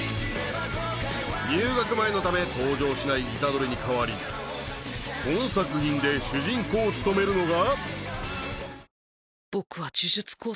入学前のため登場しない虎杖に代わりこの作品で主人公を務めるのが。